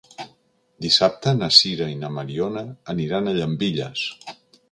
Dissabte na Sira i na Mariona aniran a Llambilles.